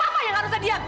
papa yang harusnya diam